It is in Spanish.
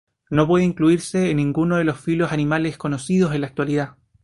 No puede incluirse en ninguno de los filos animales conocidos en la actualidad.